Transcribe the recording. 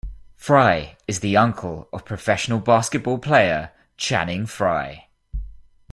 Frye is the uncle of professional basketball player Channing Frye.